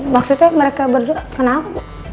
maksudnya mereka berdua kenapa